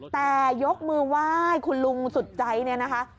แต่ยกมือไหว้คุณลุงสุดใจเนี่ยนะคะ